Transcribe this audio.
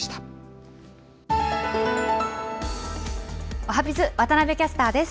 おはＢｉｚ、渡部キャスターです。